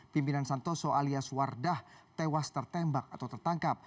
pimpinan santoso alias wardah tewas tertembak atau tertangkap